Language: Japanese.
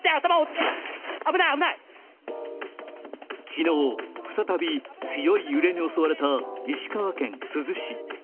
昨日、再び強い揺れに襲われた石川県珠洲市。